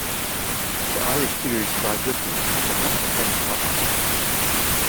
The Irish peerage died with him, but not the French marquisate.